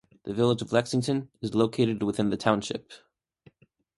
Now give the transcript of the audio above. The village of Lexington is located within the township.